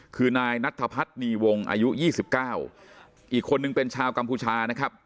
คือนายนัทพัฒนีวงอายุ๒๙อีกคนนึงเป็นชาวกัมพูชานะครับ